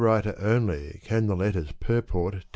The letter writer only can the letter's purport tell.